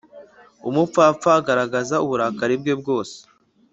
umupfapfa agaragaza uburakari bwe bwose